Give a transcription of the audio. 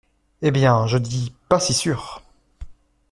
Eh bien, je dis: pas si sûr!